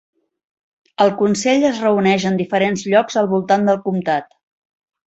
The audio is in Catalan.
El consell es reuneix en diferents llocs al voltant del comtat.